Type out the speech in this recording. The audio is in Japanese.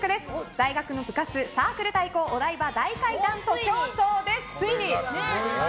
大学の部活・サークル対抗お台場大階段徒競走です！